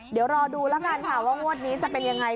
เดี๋ยวรอดูแล้วกันค่ะว่างวดนี้จะเป็นยังไง